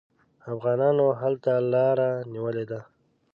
افغانانو هلته لاره نیولې ده.